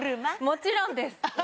もちろんです！